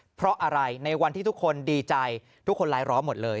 เพราะอะไรในวันที่ทุกคนดีใจทุกคนร้ายร้อหมดเลย